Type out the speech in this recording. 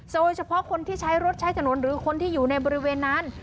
โดยเฉพาะคนที่ใช้รถใช้ถนนหรือคนที่อยู่ในบริเวณนั้น